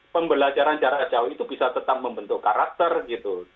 pembelajaran jarak jauh itu bisa tetap membentuk karakter gitu